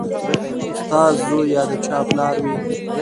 استاد زوی یا د چا پلار وي